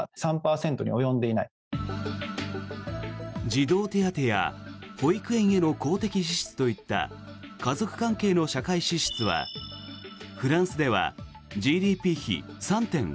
児童手当や保育園への公的支出といった家族関係への社会支出はフランスではＧＤＰ比３．６％